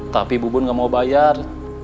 tapi bubun nggak mau bayar